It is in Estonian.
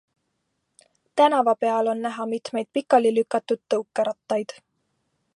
Tänava peal on näha mitmeid pikali lükatud tõukerattaid.